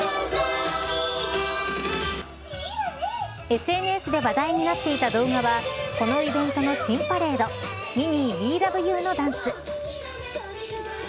ＳＮＳで話題になっていた動画はこのイベントの新パレードミニー、ウィー・ラブ・ユー！のダンス。